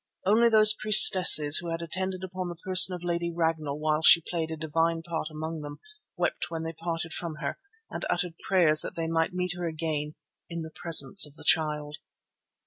Only those priestesses who had attended upon the person of Lady Ragnall while she played a divine part among them wept when they parted from her, and uttered prayers that they might meet her again "in the presence of the Child."